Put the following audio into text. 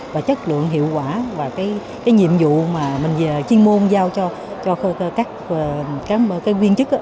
và chất lượng hiệu quả và cái nhiệm vụ mà mình chiên môn giao cho các viên chức